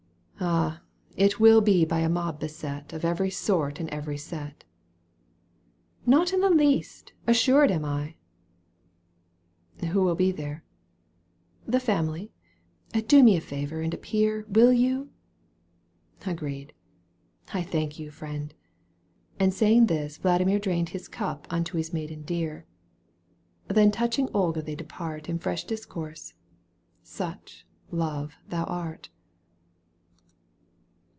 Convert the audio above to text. —" Ah ! It wiU be by a mob beset Of every sort and every set !"—" Not in the least, assured am I !"—« Who will be there ?"—" The family. Do me a favour and appear. Will you?"—" Agreed."— "I thank you, friend," And saying this Yladimir drained His cup unto his maiden dear. Digitized by CjOOQ IC CANTO пг. EUGENE ON^GUINE. 123 Then touching Olga they depart In fresh discourse. Such, love, thou art